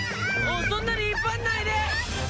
そんなに引っ張んないで！